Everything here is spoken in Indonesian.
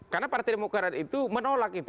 karena partai demokrat itu menolak gitu